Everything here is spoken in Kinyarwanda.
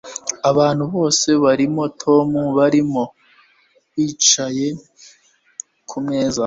abantu bose, barimo tom, bari bicaye kumeza